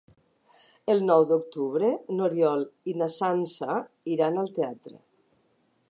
El nou d'octubre n'Oriol i na Sança iran al teatre.